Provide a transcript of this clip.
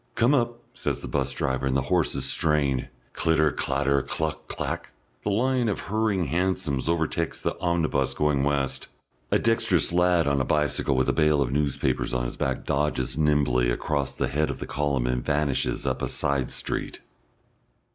"Come up," says the 'bus driver, and the horses strain; "Clitter, clatter, cluck, clak," the line of hurrying hansoms overtakes the omnibus going west. A dexterous lad on a bicycle with a bale of newspapers on his back dodges nimbly across the head of the column and vanishes up a side street.